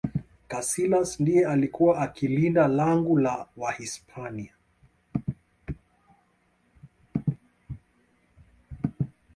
kasilas ndiye alikuwa akilinda langu la wahispania